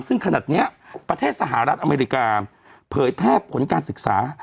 ซึ่งขนาดนี้ประเทศสหรัฐอเมริกาเผยแพร่ผลการศึกษา